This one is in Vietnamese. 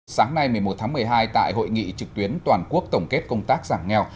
sáng nay một mươi một tháng một mươi hai tại hội nghị trực tuyến toàn quốc tổng kết công tác giảm nghèo